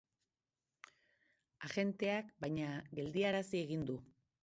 Agenteak, baina, geldiarazi egin du.